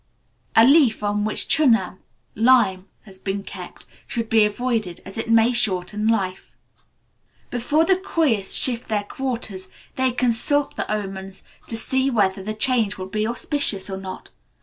A leaf on which chunam (lime) has been kept, should be avoided, as it may shorten life. Before the Koyis shift their quarters, they consult the omens, to see whether the change will be auspicious or not.